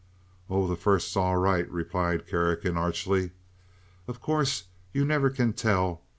"Oh, the first's all right," replied Kerrigan, archly. "Of course you never can tell.